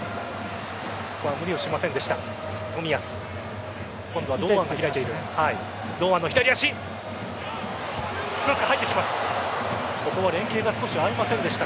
ここは無理をしませんでした。